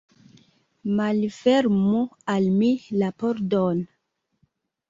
Malfermu al mi la pordon!